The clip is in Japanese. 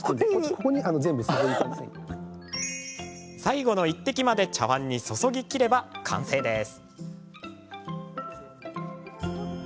最後の１滴まで茶わんに注ぎきれば完成です。